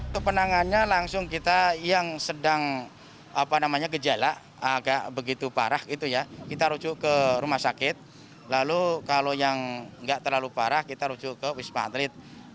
kepenangannya langsung kita yang sedang gejala agak begitu parah gitu ya kita rujuk ke rumah sakit lalu kalau yang nggak terlalu parah kita rujuk ke wisma atlet